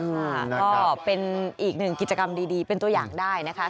ค่ะก็เป็นอีกหนึ่งกิจกรรมดีเป็นตัวอย่างได้นะคะ